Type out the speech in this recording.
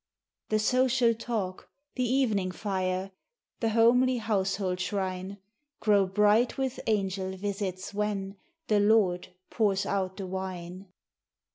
The social talk, the evening fire, The homely household shrine, Grow bright with angel visits, when The Lord pours out the wine.